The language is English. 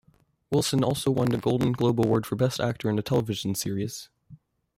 Wilson also won a Golden Globe award for Best Actor in a Television Series.